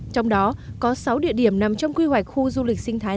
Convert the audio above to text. trong đó có sáu địa điểm nằm trong quy hoạch khu du lịch sinh thái